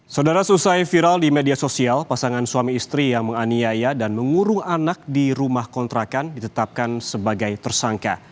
saudara selesai viral di media sosial pasangan suami istri yang menganiaya dan mengurung anak di rumah kontrakan ditetapkan sebagai tersangka